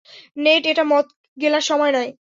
Net, এটা মদ গেলার সময় নয়।